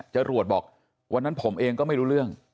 จรวดบอกวันนั้นผมเองก็ไม่รู้เรื่อง